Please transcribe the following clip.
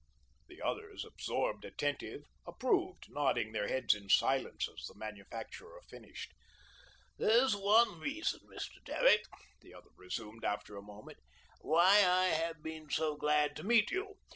The others, absorbed, attentive, approved, nodding their heads in silence as the manufacturer finished. "That's one reason, Mr. Derrick," the other resumed after a moment, "why I have been so glad to meet you.